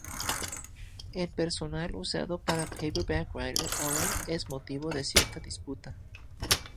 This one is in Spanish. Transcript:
El personal usado para "Paperback Writer" aún es motivo de cierta disputa.